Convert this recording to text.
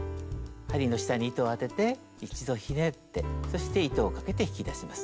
針の下に糸を当てて一度ひねってそして糸をかけて引き出します。